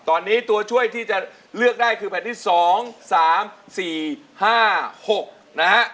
ตอนนี้ตัวช่วยที่จะเลือกได้คือแผ่นที่๒๓๔๕๖นะฮะ